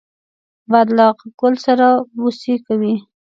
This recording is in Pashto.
باد له ګل سره بوسې کوي